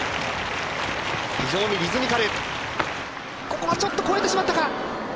非常にリズミカル、ここは越えてしまったか。